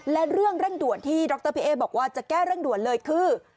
และเรื่องเร่งด่วนที่ดรพี่เอ๊บอกว่าจะแก้เร่งด่วนเลยคือ